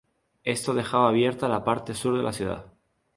Esto dejaba abierta la parte sur de la ciudad.